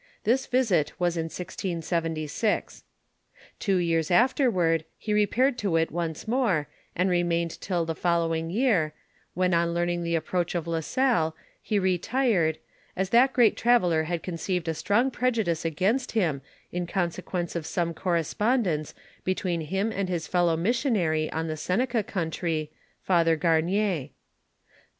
This visit was in 1676. Two years afterward, he repaired to it once more, and remained till the fol lowing year, when on learning the approach of La Salle, he retired, as that great traveller had conceived a strong prejudice against him, in consequence of some correspondence between him and his fellow missionary on the Seneca country, Father Gamier.